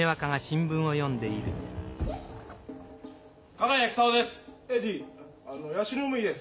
加賀谷久男です。